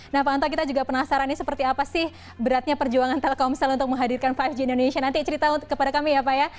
nah pak anto kita juga penasaran nih seperti apa sih beratnya perjuangan telkomsel untuk menghadirkan lima g indonesia nanti cerita kepada kami ya pak ya